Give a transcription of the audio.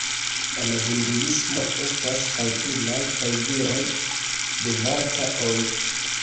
En Hinduismo estas kaj inaj kaj viraj devata-oj.